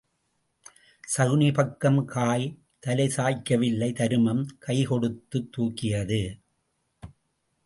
சகுனி பக்கம் காய் தலை சாய்க்கவில்லை தருமம் கை கொடுத்துத் தூக்கியது.